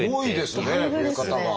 すごいですね増え方が。